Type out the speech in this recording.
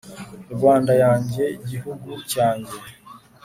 rwanda yanjye gihugu cyanjye